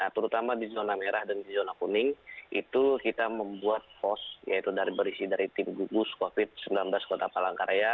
terutama di zona merah dan di zona kuning itu kita membuat pos yaitu berisi dari tim gugus covid sembilan belas kota palangkaraya